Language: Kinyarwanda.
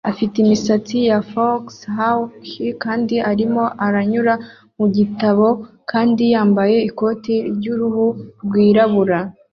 afite imisatsi ya fauxhawk kandi arimo aranyura mu gitabo kandi yambaye ikoti ry'uruhu rwirabura